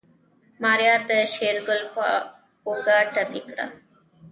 ماريا د شېرګل په اوږه ټپي کړه.